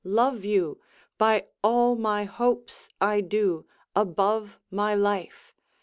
Love you! By all my hopes I do, above my life!